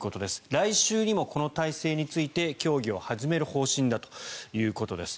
来週にもこの体制について協議を始める方針だということです。